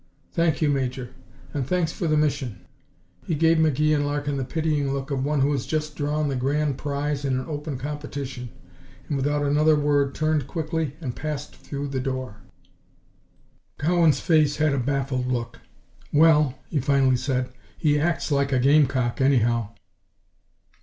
"Thank you, Major. And thanks for the mission." He gave McGee and Larkin the pitying look of one who has just drawn the grand prize in an open competition, and without another word turned quickly and passed through the door. Cowan's face had a baffled look. "Well," he finally said, "he acts like a gamecock, anyhow."